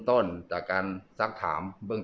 ตอนนี้ก็ไม่มีอัศวินทรีย์